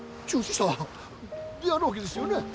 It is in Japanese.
であるわけですよね？